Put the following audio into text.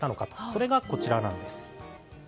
それが、こちらなんです。